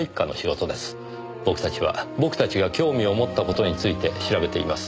僕たちは僕たちが興味を持った事について調べています。